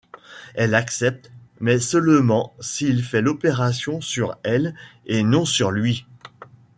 Elle accepte, mais seulement s'il fait l'opération sur elle et non sur lui.